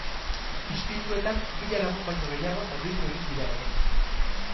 Istiluetan mila lagun baino gehiago zauritu egin dira ere.